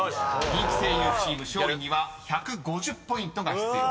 ［人気声優チーム勝利には１５０ポイントが必要です］